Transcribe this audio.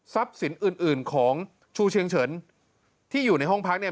สินอื่นอื่นของชูเชียงเฉินที่อยู่ในห้องพักเนี่ย